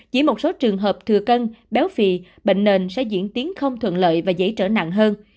chỉ một số trường hợp thừa cân béo phì bệnh nền sẽ diễn tiến không thuận lợi và dễ trở nặng hơn